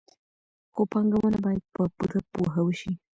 خو پانګونه باید په پوره پوهه وشي.